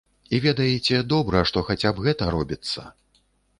І ведаеце, добра, што хаця б гэта робіцца.